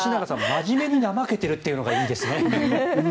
真面目に怠けているというのがいいですね。